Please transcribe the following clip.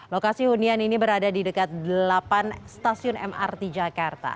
lokasi hunian ini berada di dekat delapan stasiun mrt jakarta